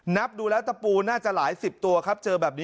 นับดูแล้วตะปูน่าจะหลายสิบตัวครับเจอแบบนี้